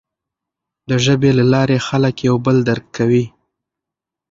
د ژبې له لارې خلک یو بل درک کوي.